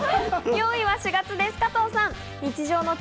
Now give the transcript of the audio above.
４位は４月です、加藤さん。